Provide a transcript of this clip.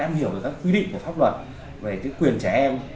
để em hiểu được các quy định của pháp luật về cái quyền trẻ em